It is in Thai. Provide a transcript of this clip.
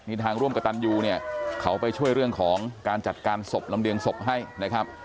นี่ทางร่วมกับตันยูเนี่ยเขาไปช่วยเรื่องของการจัดการศพลำเรียงศพให้นะครับ